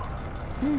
うん。